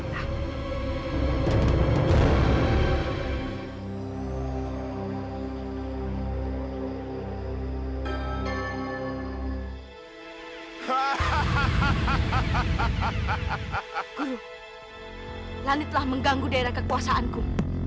guru lani telah mengganggu daerah kekuasaanku